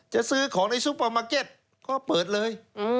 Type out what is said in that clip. จะซื้อของในซูเปอร์มาร์เก็ตก็เปิดเลย